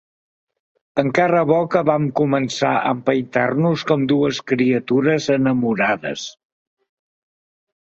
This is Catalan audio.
Encara bo que vam començar a empaitar-nos com dues criatures enamorades.